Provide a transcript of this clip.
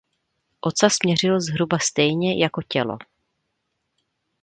Ocas měřil zhruba stejně jako tělo.